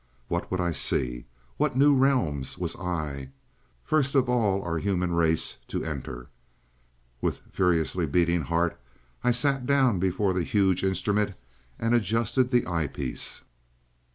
What would I see? What new realms was I, first of all our human race, to enter? With furiously beating heart, I sat down before the huge instrument and adjusted the eyepiece.